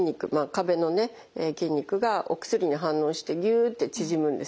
筋肉がお薬に反応してぎゅって縮むんですね。